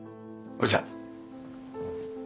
それじゃ。